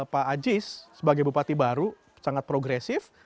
pak ajis sebagai bupati baru sangat progresif